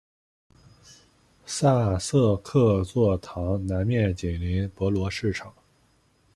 萨瑟克座堂南面紧邻博罗市场。